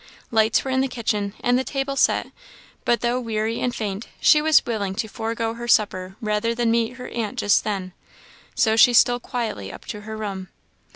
Lights were in the kitchen, and the table set; but though weary and faint, she was willing to forego her supper rather than meet her aunt just then, so she stole quietly up to her room.